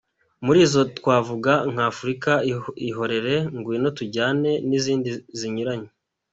Muri izo twavuga nka Africa ihorere, Ngwino Tujyane , n’izindi zinyuranye.